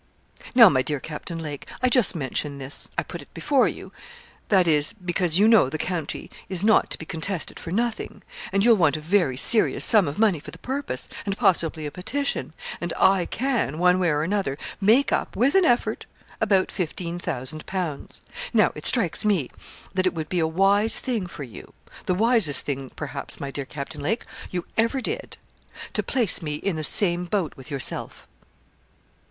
'Now, my dear Captain Lake, I just mention this I put it before you that is, because you know the county is not to be contested for nothing and you'll want a very serious sum of money for the purpose, and possibly a petition and I can, one way or another, make up, with an effort, about £15,000_l._ Now it strikes me that it would be a wise thing for you the wisest thing, perhaps, my dear Captain Lake, you ever did to place me in the same boat with yourself.'